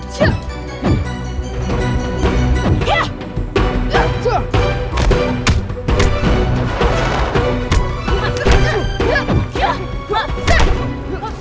dari jarak dekat